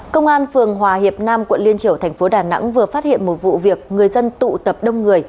công an phường hòa hiệp nam quận liên triều thành phố đà nẵng vừa phát hiện một vụ việc người dân tụ tập đông người